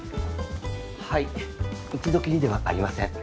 はい一度きりではありません。